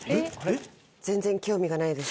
全然興味がないです。